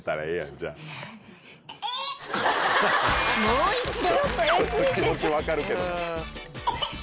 ［もう一度］